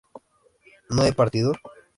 ¿no he partido?